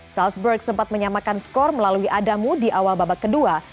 salzburg sempat menyamakan skor melalui adamu di awal babak kedua